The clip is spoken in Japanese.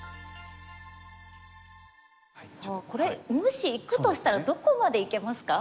さあこれもしいくとしたらどこまでいけますか？